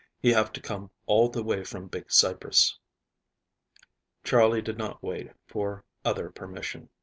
He have to come all the way from Big Cypress." Charley did not wait for other permission.